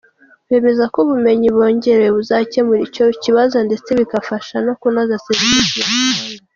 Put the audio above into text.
Bemeza ko ubumenyi bongerewe buzakemura icyo kibazo ndetse bikabafasha no kunoza serivise batanga.